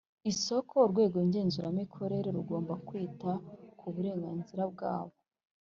isoko Urwego ngenzuramikorere rugomba kwita kuburenganzira bwabo